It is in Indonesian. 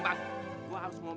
ya allah hadis celia imuk